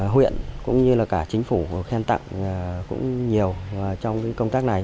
huyện cũng như là cả chính phủ khen tặng cũng nhiều trong công tác này